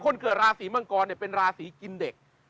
คนเกิดราศีมังกรเป็นราศีกินเด็ก